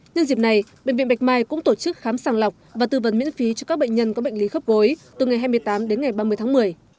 nhân dịp này bệnh viện bạch mai cũng tổ chức khám sàng lọc và tư vấn miễn phí cho các bệnh nhân có bệnh lý khớp gối từ ngày hai mươi tám đến ngày ba mươi tháng một mươi